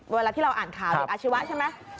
เวลาที่เราอ่านข่าวเด็กอาชีวะใช่ไหม